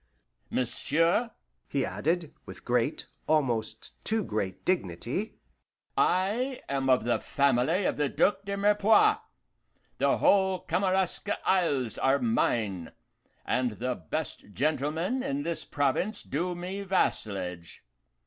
"Monsieur," he added, with great, almost too great dignity, "I am of the family of the Duc de Mirepoix. The whole Kamaraska Isles are mine, and the best gentlemen in this province do me vassalage.